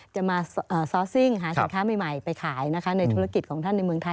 จะมาซอสซิ่งหาสินค้าใหม่ไปขายนะคะในธุรกิจของท่านในเมืองไทย